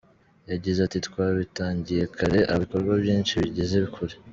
Yagize ati “Twabitangiye kare ibikorwa byinshi bigeze kure.